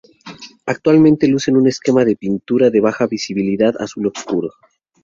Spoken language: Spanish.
Actualmente lucen un esquema de pintura de baja visibilidad azul oscuro.